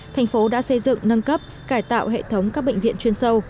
thành phố đã xây dựng nâng cấp cải tạo hệ thống các bệnh viện chuyên sâu